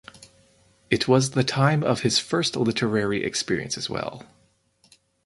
It was the time of his first literary experience as well.